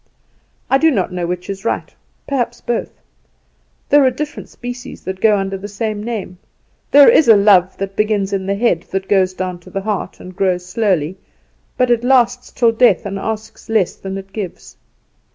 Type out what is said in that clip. I do not know which is right perhaps both. There are different species that go under the same name. There is a love that begins in the head, and goes down to the heart, and grows slowly; but it lasts till death, and asks less than it gives.